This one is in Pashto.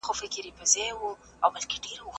حق پالنه زموږ د ټولني دپاره خیر دی.